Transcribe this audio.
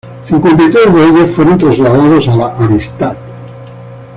Cincuenta y tres de ellos fueron trasladados a "La" "Amistad".